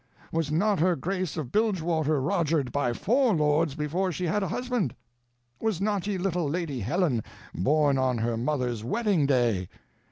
Was not her Grace of Bilgewater roger'd by four lords before she had a husband? Was not ye little Lady Helen born on her mother's wedding day?